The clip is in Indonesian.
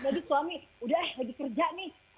tadi suami udah lagi kerja nih